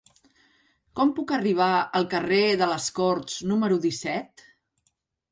Com puc arribar al carrer de les Corts número disset?